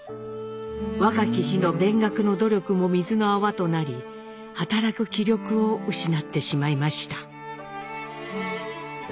若き日の勉学の努力も水の泡となり働く気力を失ってしまいました。